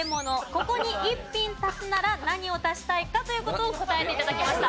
ここに一品足すなら何を足したいかという事を答えて頂きました。